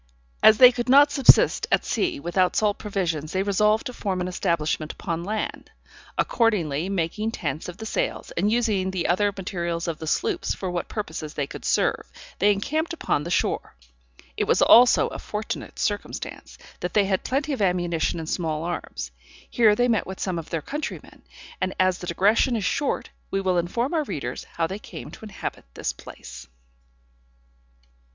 As they could not subsist at sea without salt provisions, they resolved to form an establishment upon land. Accordingly making tents of the sails, and using the other materials of the sloops for what purposes they could serve, they encamped upon the shore. It was also a fortunate circumstance, that they had plenty of ammunition and small arms. Here they met with some of their countrymen; and as the digression is short, we will inform our readers how they came to inhabit this place.